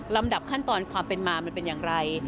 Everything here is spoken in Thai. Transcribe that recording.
ดับขั้นตอนความเป็นมามันเป็นอย่างไร